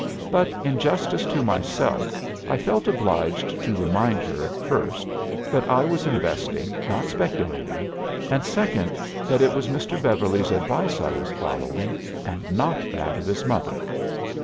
But in justice to myself I felt obliged to remind her, first, that I was investing, not speculating, and second, that it was Mr. Beverly's advice I was following, and not that of his mother.